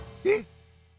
えっ？